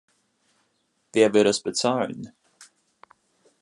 Wer wird es bezahlen?